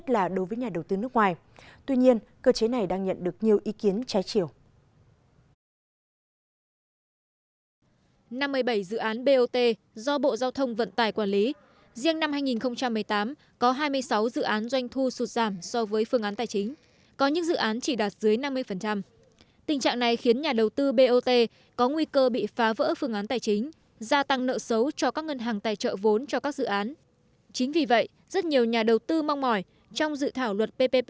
tuy nhiên cơ chế này đang nhận được nhiều ý kiến trái chiều